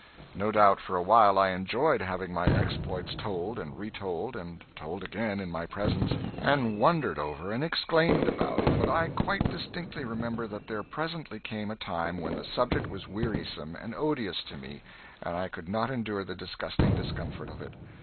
No doubt for a while I enjoyed having my exploits told and retold and told again in my presence and wondered over and exclaimed about, but I quite distinctly remember that there presently came a time when the subject was wearisome and odious to me and I could not endure the disgusting discomfort of it.